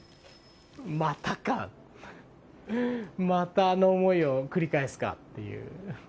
またか、またあの思いを繰り返すかっていう。